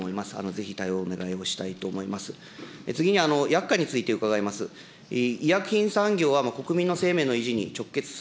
ぜひ対応をお願いをしたいと思います。